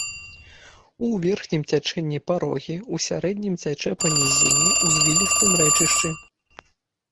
У верхнім цячэнні парогі, у сярэднім цячэ па нізіне ў звілістым рэчышчы.